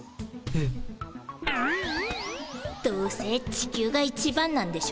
どうせ地球が一番なんでしょ。